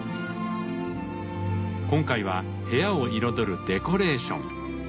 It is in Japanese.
今回は部屋を彩るデコレーション。